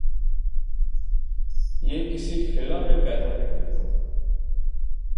یہ کسی خلا میں پیدا نہیں ہوئے۔